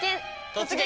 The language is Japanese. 「突撃！